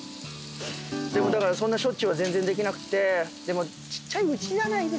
でもだからそんなしょっちゅうは全然できなくてでもちっちゃいうちじゃないですか。